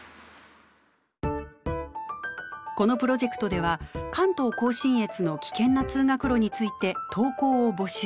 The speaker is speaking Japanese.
このプロジェクトでは関東甲信越の危険な通学路について投稿を募集。